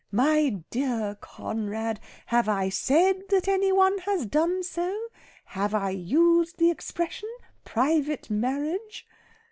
"My dear Conrad! Have I said that any one has done so? Have I used the expression 'private marriage'?"